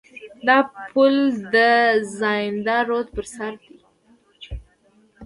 دا پل د زاینده رود پر سر دی.